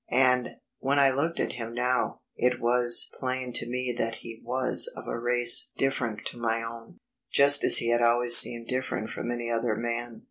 And, when I looked at him now, it was plain to me that he was of a race different to my own, just as he had always seemed different from any other man.